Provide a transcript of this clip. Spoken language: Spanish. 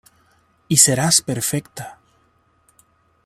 Y serás perfecta".